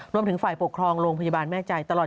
รวมถึงฝ่ายปกครองโรงพยาบาลแม่ใจตลอด